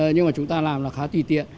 nhưng mà chúng ta làm là khá tùy tiện